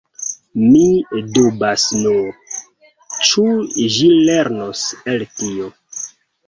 Mi dubas nur, ĉu ĝi lernos el tio.